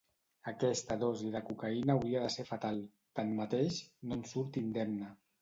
Aquesta dosi de cocaïna hauria del ser fatal, tanmateix, no en surt indemne.